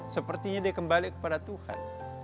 sepertinya dia kembali kepada tuhan